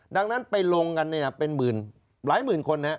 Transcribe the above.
ดังนั้นไปลงกันเป็นหลายหมื่นคน